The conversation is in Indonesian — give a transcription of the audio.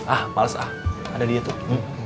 ah males ah ada dia tuh